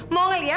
malah dia teman